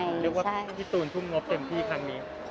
เรียกว่าพี่ตูนทุ่มงบเต็มที่ครั้งนี้